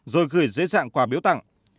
rồi gửi dễ dàng quà biếu tặng